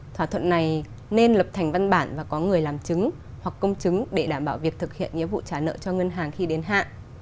thỏa thuận này nên lập thành văn bản và có người làm chứng hoặc công chứng để đảm bảo việc thực hiện nghĩa vụ trả nợ cho ngân hàng khi đến hạ